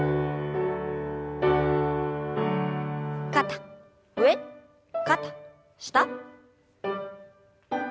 肩上肩下。